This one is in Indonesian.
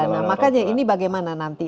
nah ini bagaimana nanti